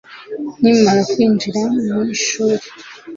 nkimara kwinjira mu ishuri